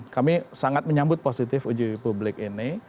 kami sangat menyambut positif uji publik ini